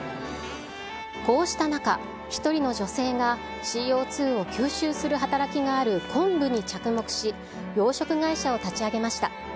こうした中、一人の女性が、ＣＯ２を吸収する働きがある昆布に着目し、養殖会社を立ち上げました。